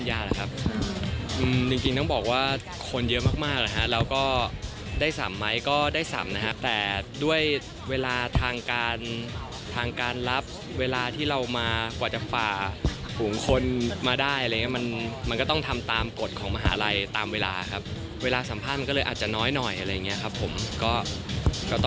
ยังครับขอทำงานก่อนครับนี่ก็เดี๋ยวเร่งถ่ายละครให้มันโล่งไปก่อน